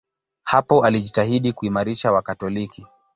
Hapo alijitahidi kuimarisha Wakatoliki.